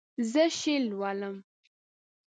زه شعر لولم.